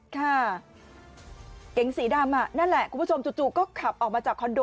เก๋งสีดำนั่นแหละคุณผู้ชมจู่ก็ขับออกมาจากคอนโด